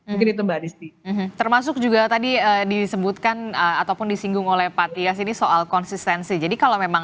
mungkin itu mbak rizky termasuk juga tadi disebutkan ataupun disinggung oleh pak tias ini soal konsistensi jadi kalau memang